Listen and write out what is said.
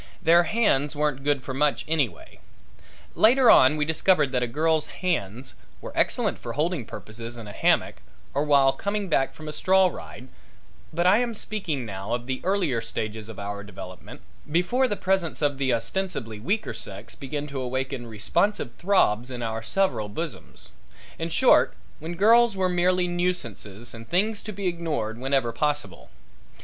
Their hands weren't good for much anyway. Later on we discovered that a girl's hands were excellent for holding purposes in a hammock or while coming back from a straw ride, but I am speaking now of the earlier stages of our development, before the presence of the ostensibly weaker sex began to awaken responsive throbs in our several bosoms in short when girls were merely nuisances and things to be ignored whenever possible.